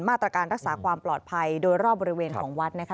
มาตรการรักษาความปลอดภัยโดยรอบบริเวณของวัดนะคะ